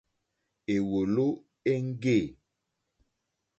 Èwòló éŋɡê.